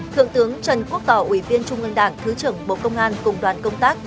thượng tướng trần quốc tỏ ủy viên trung ương đảng thứ trưởng bộ công an cùng đoàn công tác